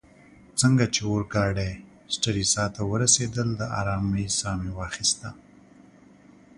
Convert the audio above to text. څنګه چي اورګاډې سټریسا ته ورسیدل، د آرامۍ ساه مې واخیسته.